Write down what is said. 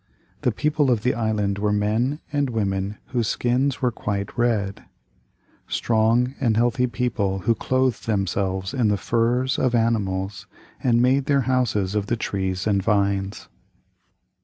The people of the island were men and women whose skins were quite red; strong and healthy people who clothed themselves in the furs of animals and made their houses of the trees and vines.